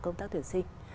công tác tuyển sinh